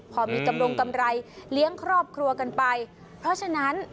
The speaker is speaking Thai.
พอมีกำรงกำไรเลี้ยงครอบครัวกันไปเพราะฉะนั้น